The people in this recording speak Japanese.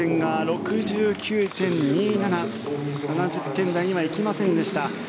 ７０点台には行きませんでした。